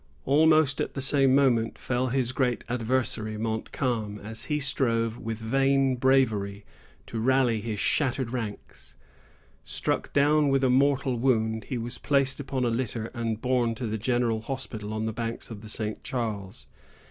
Almost at the same moment fell his great adversary, Montcalm, as he strove, with vain bravery, to rally his shattered ranks. Struck down with a mortal wound, he was placed upon a litter and borne to the General Hospital on the banks of the St. Charles.